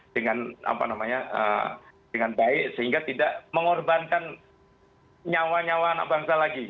dengan apa namanya dengan baik sehingga tidak mengorbankan nyawa nyawa anak bangsa lagi